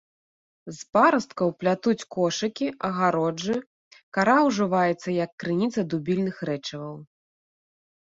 З парасткаў плятуць кошыкі, агароджы, кара ўжываецца як крыніца дубільных рэчываў.